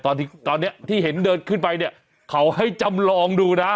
ตอนนี้ที่เห็นเดินขึ้นไปเนี่ยเขาให้จำลองดูนะ